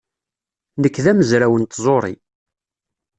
Nekk d amezraw n tẓuri.